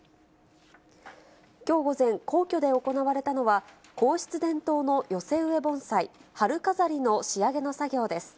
きょう午前、皇居で行われたのは、皇室伝統の寄せ植え盆栽、春飾りの仕上げの作業です。